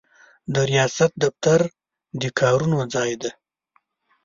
د ریاست دفتر د کارونو ځای دی.